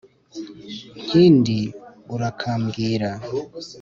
nkindi urakambwira.